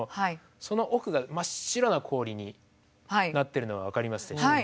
その奥が真っ白な氷になっているのが分かりますでしょうか。